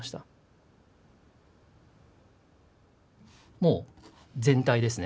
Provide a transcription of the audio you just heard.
もう、全体ですね。